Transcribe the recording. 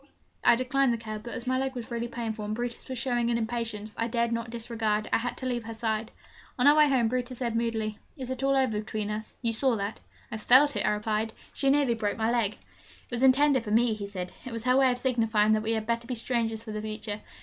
I declined the cab; but, as my leg was really painful, and Brutus was showing an impatience I dared not disregard, I had to leave her side. On our way home, Brutus said moodily, 'It is all over between us you saw that?' 'I felt it!' I replied. 'She nearly broke my leg.' 'It was intended for me,' he said. 'It was her way of signifying that we had better be strangers for the future.